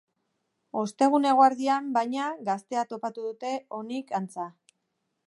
Ostegun eguerdian, baina, gaztea topatu dute, onik, antza.